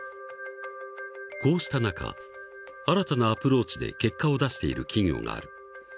こうした中新たなアプローチで結果を出している企業がある。